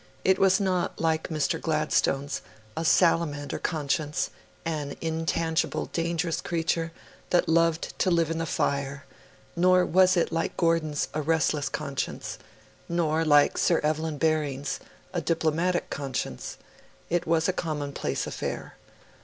It was not, like Mr. Gladstone's, a salamander conscience an intangible, dangerous creature, that loved to live in the fire; nor was it, like Gordon's, a restless conscience; nor, like Sir Evelyn Baring's, a diplomatic conscience; it was a commonplace affair.